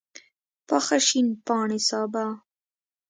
پاخه شین پاڼي سابه